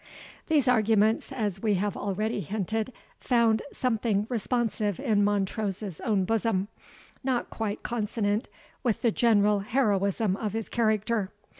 These arguments, as we have already hinted, found something responsive in Montrose's own bosom, not quite consonant with the general heroism of his character.